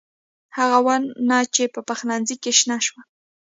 هغه ونه چې په پخلنخي کې شنه شوه